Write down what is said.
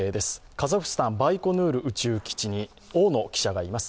カザフスタン・バイコヌール宇宙基地に大野記者がいます。